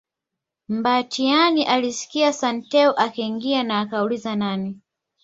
Mbatiany alisikia Santeu akiingia na akauliza nani